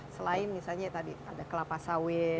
selain misalnya tadi ada kelapa sawit